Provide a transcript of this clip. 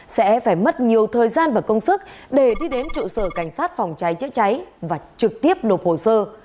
sẽ phải mất nhiều thời gian và công sức để đi đến trụ sở cảnh sát phòng cháy chữa cháy và trực tiếp đột hồ sơ